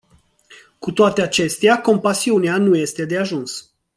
Cu toate acestea, compasiunea nu este de ajuns.